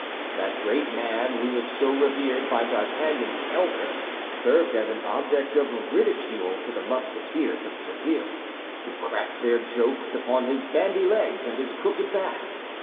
That great man who was so revered by D'Artagnan the elder served as an object of ridicule to the Musketeers of Tréville, who cracked their jokes upon his bandy legs and his crooked back.